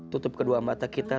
tutup kedua mata kita